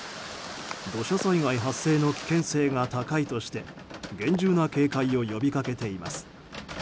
土砂災害発生の危険性が高いとして厳重な警戒を呼び掛けています。